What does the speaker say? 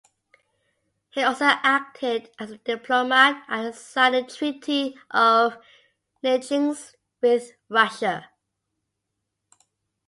He also acted as a diplomat and signed the Treaty of Nerchinsk with Russia.